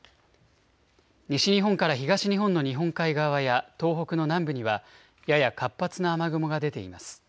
西日本から東日本の日本海側や東北の南部にはやや活発な雨雲が出ています。